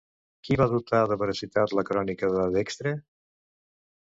Qui va dotar de veracitat la Crònica de Dextre?